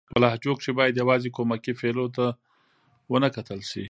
په لهجو کښي بايد يوازي کومکي فعلو ته و نه کتل سي.